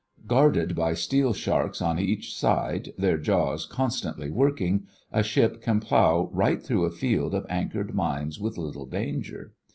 Guarded by steel sharks on each side, their jaws constantly working, a ship can plow right through a field of anchored mines with little danger.